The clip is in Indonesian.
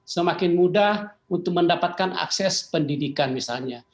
semakin mudah untuk mendapatkan akses pendidikan misalnya